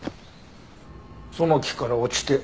その木から落ちて。